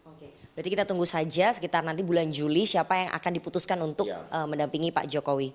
oke berarti kita tunggu saja sekitar nanti bulan juli siapa yang akan diputuskan untuk mendampingi pak jokowi